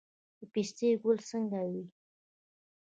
د پستې ګل څنګه وي؟